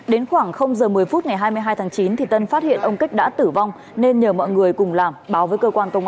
đến khoảng giờ một mươi phút ngày hai mươi hai tháng chín tân phát hiện ông kích đã tử vong nên nhờ mọi người cùng làm báo với cơ quan công an